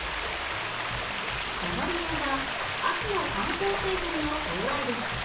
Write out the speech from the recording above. その理由は、秋の観光シーズンの到来です。